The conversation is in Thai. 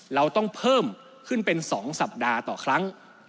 เราต้องเพิ่มขึ้นเป็น๒สัปดาห์ต่อครั้ง